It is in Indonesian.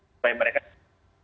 supaya mereka bisa